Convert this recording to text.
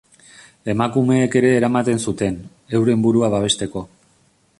Emakumeek ere eramaten zuten, euren burua babesteko.